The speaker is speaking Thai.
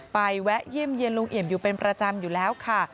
แวะเยี่ยมเยี่ยมลุงเอี่ยมอยู่เป็นประจำอยู่แล้วค่ะ